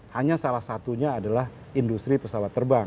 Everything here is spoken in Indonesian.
hanya salah satunya adalah industri pesawat terbang